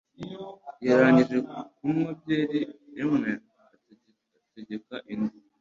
Yarangije kunywa byeri imwe ategeka indi